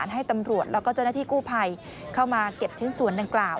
ให้ตำรวจแล้วก็เจ้าหน้าที่กู้ภัยเข้ามาเก็บชิ้นส่วนดังกล่าว